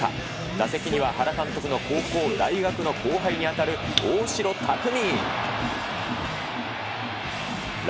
打席には原監督の高校、大学の後輩にあたる大城卓三。